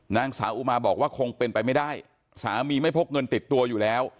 นางสาวอุมาบอกว่าคงเป็นไปไม่ได้สามีไม่พกเงินติดตัวอยู่แล้ว